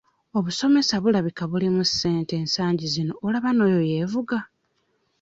Obusomesa bulabika bulimu ssente ensangi zino olaba n'oyo yeevuga.